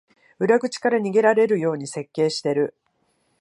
裏口から逃げられるように設計してる